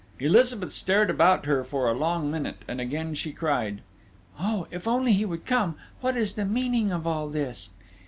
Elizabeth stared about her for a long minute, and again she cried: "Oh, if only he would come! What is the meaning of all this?..."